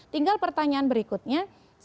tinggal pertanyaan berikutnya